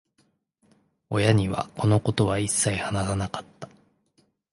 親には、このことは一切話さなかった。